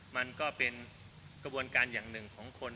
มันก็เป็นกระบวนการอย่างหนึ่งของคน